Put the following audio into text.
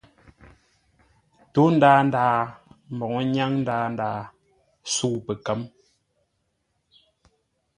Ntó ndaa ndaa mbǒu nyáŋ ndaa ndaa, sə̌u pəkə̌m.